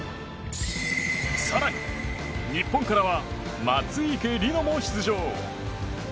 更に、日本からは松生理乃も出場。